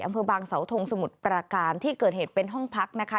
อำเภอบางเสาทงสมุทรปราการที่เกิดเหตุเป็นห้องพักนะคะ